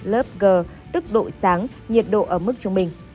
lớp g tức độ sáng nhiệt độ ở mức trung bình